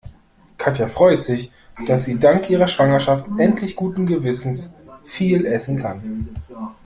Katja freut sich, dass sie dank ihrer Schwangerschaft endlich guten Gewissens viel essen kann.